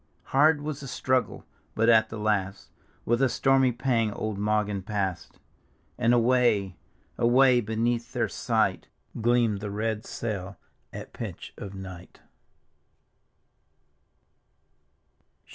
Hard was die struggle, but at the last With a stormy pang old Mawgan passed, And away, away, beneath their sight, Gleamed the red sail at pitch of night.